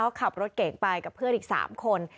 เขาขับรถเก่งไปกับเพื่อนอีก๓คน